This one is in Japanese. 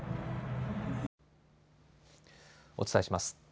お伝えします。